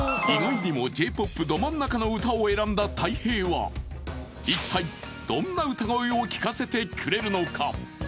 意外にもＪ−ＰＯＰド真ん中の歌を選んだたい平は一体どんな歌声を聴かせてくれるのか？